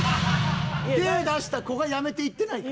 手ぇ出した子が辞めていってないか？